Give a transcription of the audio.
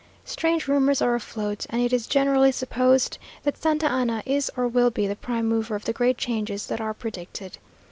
Strange rumours are afloat, and it is generally supposed that Santa Anna is or will be the prime mover of the great changes that are predicted.